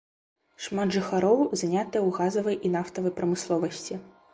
Шмат жыхароў занятыя ў газавай і нафтавай прамысловасці.